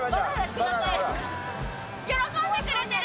喜んでくれてる。